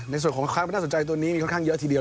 สินค้ามันน่าสนใจตัวนี้มีค่อนข้างเยอะทีเดียว